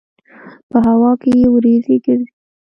په هوا کې یې وريځې ګرځي.